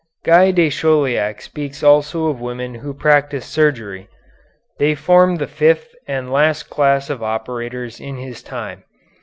"Guy de Chauliac speaks also of women who practised surgery. They formed the fifth and last class of operators in his time.